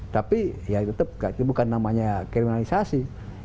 tapi ya tetap bukan namanya kriminalisasi